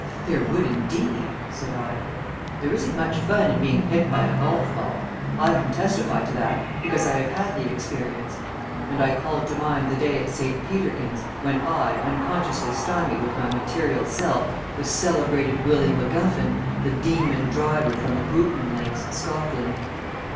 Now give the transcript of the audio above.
"There would, indeed," said I. "There isn't much fun in being hit by a golf ball. I can testify to that because I have had the experience," and I called to mind the day at St. Peterkin's when I unconsciously stymied with my material self the celebrated Willie McGuffin, the Demon Driver from the Hootmon Links, Scotland.